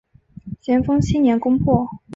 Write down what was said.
咸丰七年攻破。